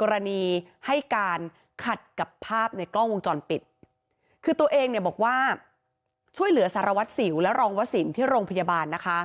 กรณีให้การขัดกับภาพในกล้องวงจรปิดคือตัวเองเนี่ยบอกว่าช่วยเหลือสารวัตรสิวและรองวสินที่โรงพยาบาลนะคะ